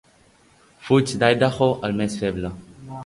Fuig d'Idaho el més feble.